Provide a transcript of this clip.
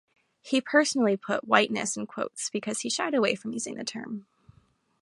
He personally put "whiteness" in quotes because he shied away from using the term.